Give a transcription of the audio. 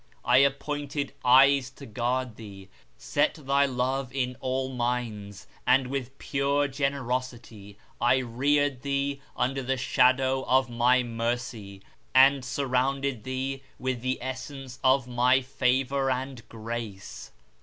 I appointed eyes to guard thee, set thy love in all minds, and with pure generosity I reared thee under the shadow of My mercy and surrounded thee with the essence of My Favour and Grace.